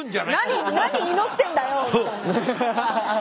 何何祈ってんだよみたいな。